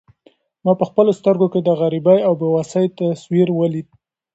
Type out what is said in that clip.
ما په خپلو سترګو کې د غریبۍ او بې وسۍ تصویر ولید.